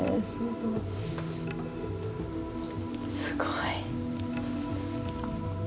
すごい。